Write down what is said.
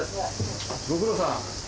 ご苦労さん。